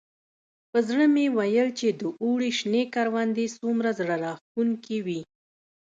په زړه مې ویل چې د اوړي شنې کروندې څومره زړه راښکونکي وي.